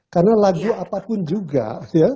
karena lagu apapun juga ya